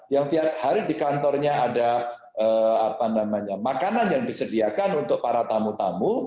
yang tiap hari di kantornya ada makanan yang disediakan untuk para tamu tamu